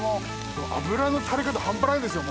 この脂の垂れ方半端ないですよ